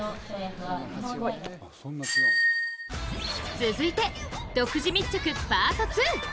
続いて、独自密着パート２。